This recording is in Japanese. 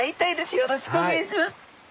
よろしくお願いします！